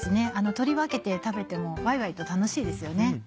取り分けて食べてもワイワイと楽しいですよ。